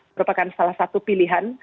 merupakan salah satu pilihan